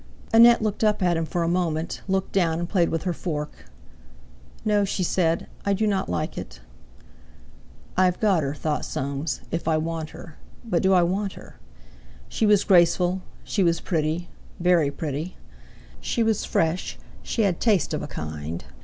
Annette looked up at him for a moment, looked down, and played with her fork. "No," she said, "I do not like it." "I've got her," thought Soames, "if I want her. But do I want her?" She was graceful, she was pretty—very pretty; she was fresh, she had taste of a kind.